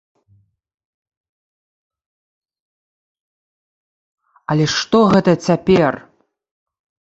Але што гэта цяпер!